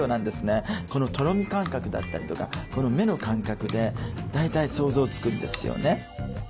このとろみ感覚だったりとかこの目の感覚で大体想像つくんですよね。